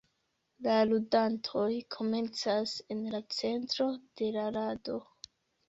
La ludantoj komencas en la centro de la rado.